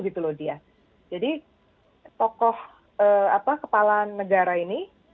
tokoh kepala negara ini